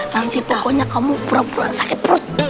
nanti pokoknya kamu pura pura sakit perut